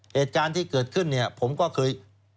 เหตุการณ์ที่เกิดขึ้นผมก็คือ